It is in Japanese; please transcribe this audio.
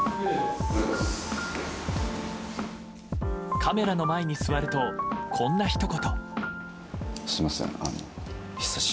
カメラの前に座るとこんなひと言。